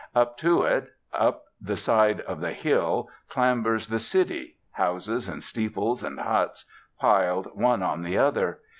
Up to it, up the side of the hill, clambers the city, houses and steeples and huts, piled one on the other.